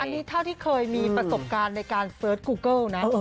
อันนี้เท่าที่เคยมีประสบการณ์ในการเสิร์ชกูเกิลนะ